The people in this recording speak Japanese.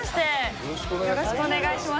よろしくお願いします。